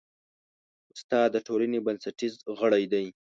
استاد د ټولنې بنسټیز غړی دی.